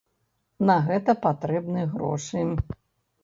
На гэта патрэбны грошы.